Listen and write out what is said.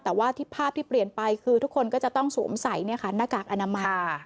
แต่ว่าภาพที่เปลี่ยนไปคือทุกคนก็จะต้องสวมใส่หน้ากากอนามัย